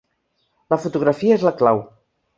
La fotografia és la clau.